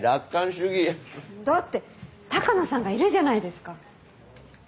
だって鷹野さんがいるじゃないですか。